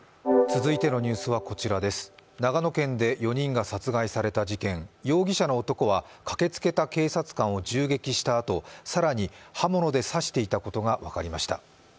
長野県で４人が殺害された事件、容疑者の男は駆けつけた警察官を銃撃したあと更に刃物で刺していたことが分かりました。